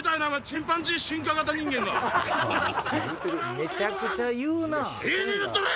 めちゃくちゃ言うなぁ！